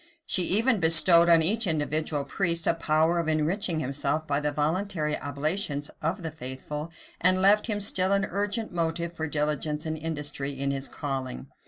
She even bestowed on each individual priest a power of enriching himself by the voluntary oblations of the faithful, and left him still an urgent motive for diligence and industry in his calling.